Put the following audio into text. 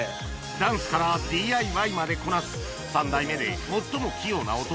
ダンスからＤＩＹまでこなす「三代目」で最も器用な男